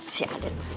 si aden pintar hebat